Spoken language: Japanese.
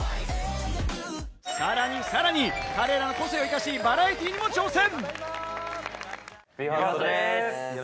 さらにさらに彼らの個性を生かしバラエティーにも挑戦。